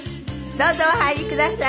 どうぞお入りください。